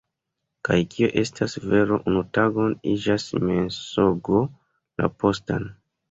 Kaj kio estas vero unu tagon iĝas mensogo la postan.